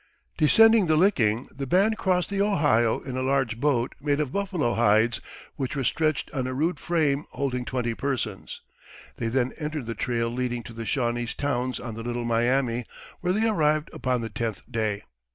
Descending the Licking, the band crossed the Ohio in a large boat made of buffalo hides, which were stretched on a rude frame holding twenty persons; they then entered the trail leading to the Shawnese towns on the Little Miami, where they arrived upon the tenth day.